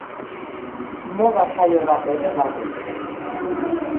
Moda saio bat ere badu.